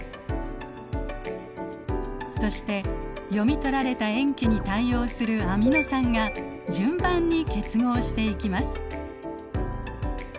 そして読み取られた塩基に対応するアミノ酸が順番に結合していきます。